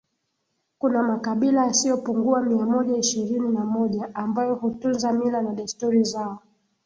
Kuna makabila yasiyopungua mia moja ishirini na moja ambayo hutunza mila na desturi zao